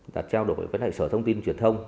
và trao đổi với sở thông tin truyền thông